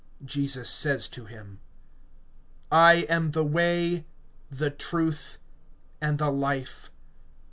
(6)Jesus says to him: I am the way, the truth, and the life.